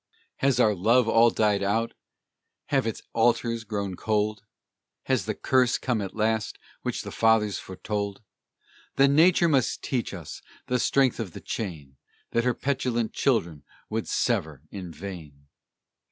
Has our love all died out? Have its altars grown cold? Has the curse come at last which the fathers foretold? Then Nature must teach us the strength of the chain That her petulant children would sever in vain.